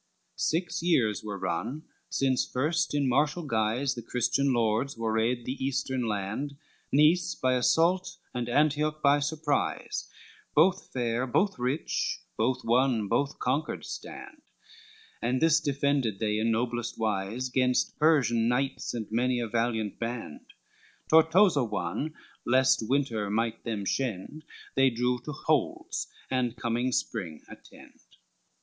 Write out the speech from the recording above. VI Six years were run since first in martial guise The Christian Lords warraid the eastern land; Nice by assault, and Antioch by surprise, Both fair, both rich, both won, both conquered stand, And this defended they in noblest wise 'Gainst Persian knights and many a valiant band; Tortosa won, lest winter might them shend, They drew to holds, and coming spring attend.